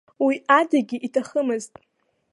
Уи адагьы иҭахымызт.